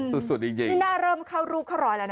สุดจริงจริงจริงจริงนี่หน้าเริ่มเข้ารูปเข้าร้อยแล้วนะ